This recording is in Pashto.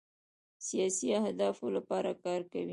سیاسي اهدافو لپاره کار کوي.